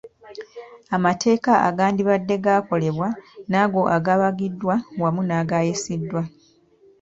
Amateeka agandibadde gakolebwa n'ago agabagiddwa awamu n'agayisiddwa